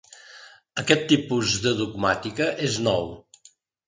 Aquest tipus de dogmàtica és nou.